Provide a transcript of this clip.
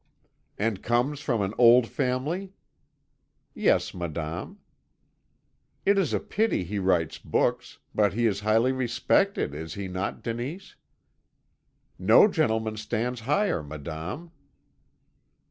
"'And comes from an old family?' "'Yes, madame.' "'It is a pity he writes books; but he is highly respected, is he not, Denise?' "'No gentleman stands higher, madame.'